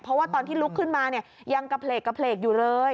เพราะว่าตอนที่ลุกขึ้นมาเนี่ยยังกระเพลกอยู่เลย